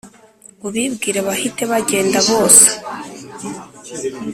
ubibwire bahite bagenda bose